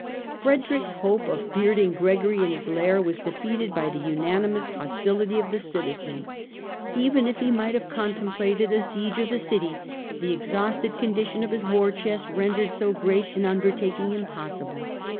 Frederick's hope of bearding Gregory in his lair was defeated by the unanimous hostility of the citizens. i8o STUPOR MUNDI Even if he might have contemplated a siege of the city, the exhausted condition of his war chest rendered so great an undertaking impossible.